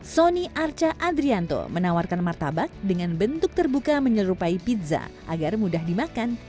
sony arca adrianto menawarkan martabak dengan bentuk terbuka menyerupai pizza agar mudah dimakan